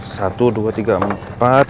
satu dua tiga empat